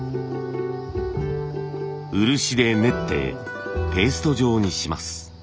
漆で練ってペースト状にします。